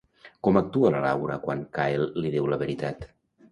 Com actua la Laura quan Kyle li diu la veritat?